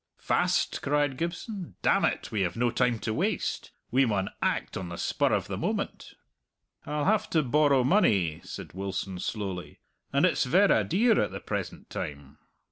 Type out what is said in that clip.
"Fast!" cried Gibson. "Damn it, we have no time to waste. We maun act on the spur of the moment." "I'll have to borrow money," said Wilson slowly; "and it's verra dear at the present time."